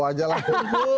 sampai jumpa lagi